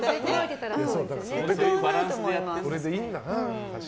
これでいいんだな。